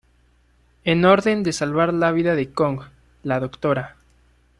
En orden de salvar la vida de Kong, la Dra.